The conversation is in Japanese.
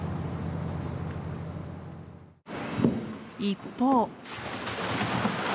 一方。